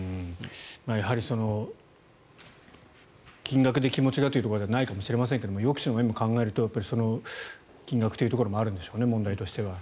やはり金額で気持ちがということではないかもしれませんが抑止の面も考えると金額というところもあるんでしょうね問題としては。